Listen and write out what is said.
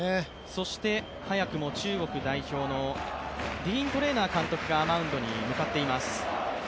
そして早くも中国代表のディーン・トレーナー監督がマウンドに向かっています。